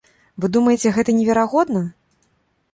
Вы думаеце, гэта неверагодна?